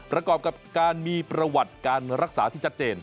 ประกอบกับการมีประวัติการรักษาที่ชัดเจน